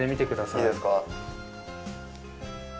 いいですか。